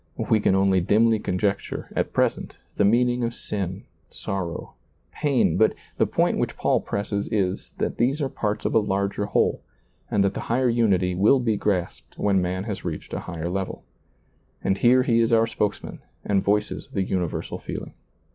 We can only dimly conjecture, at present, the meaning of sin, sorrow, pain, but the point which Paul presses is, that these are ^lailizccbvGoOgle i8 SEEING DARKLY parts of a larger whole, and that the higher unity will be grasped when man has reached a higher level. And here he is our spokesman, and voices the universal feeling.